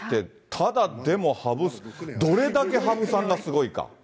ただでも、羽生さん、どれだけ羽生さんがすごいか。